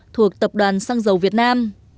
thuộc tập đoàn xăng dầu việt nam